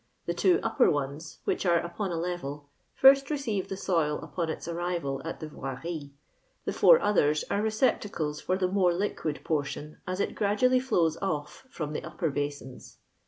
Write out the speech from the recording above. The two upper ones, which are npon a leveln, first receive the soil upon its arrival at tlie Voirie; the four others are receptacles for the more liquid portion as it gradually flotra off from the ui>per basins.